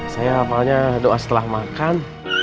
saya hafalnya doang setelah makan